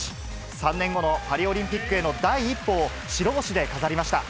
３年後のパリオリンピックへの第一歩を白星で飾りました。